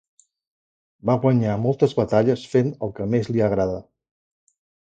Va guanyar moltes batalles fent el que més li agrada.